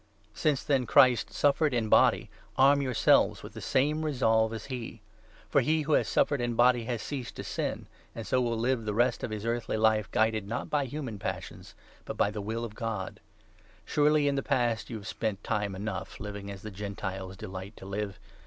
Since, then, Christ suffered in body, arm your i • Renunciation seives with the same resolve as he ; for he who Heathenlife. has suffered in body has ceased to sin, and so will 2 live the rest of his earthly life guided, not by human passions, but by the will of God. Surely in the past 3 you have spent time enough living as the Gentiles delight to live.